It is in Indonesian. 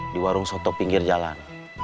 di warung soto pinggir jalan